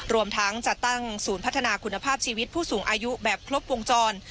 รวมทั้งจัดตั้งศูนย์พัฒนาคุณภาพชีวิตผู้สูงอายุแบบครบวงจร